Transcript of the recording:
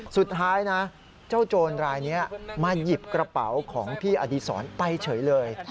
สุดท้ายนะเจ้าโจรรายนี้มาหยิบกระเป๋าของพี่อดีศรไปเฉยเลย